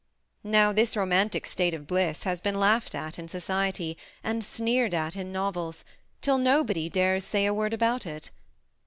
Now, this romantic state of bliss has been laughed at in society, and sneered at in novels, till nobody dares say a word about it.